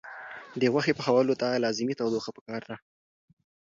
د غوښې پخولو ته لازمي تودوخه پکار ده.